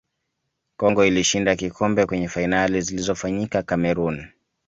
congo ilishinda kikombe kwenye fainali zilizofanyika cameroon